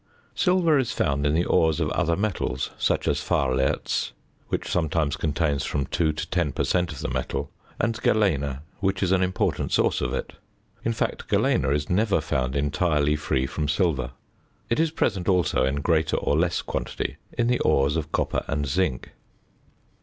Silver is found in the ores of other metals, such as fahlerz, which sometimes contains from two to ten per cent. of the metal, and galena, which is an important source of it; in fact, galena is never found entirely free from silver. It is present also in greater or less quantity in the ores of copper and zinc.